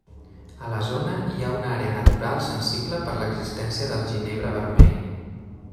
A la zona hi ha una àrea natural sensible per l'existència del ginebre vermell.